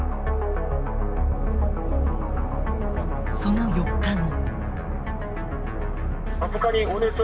その４日後。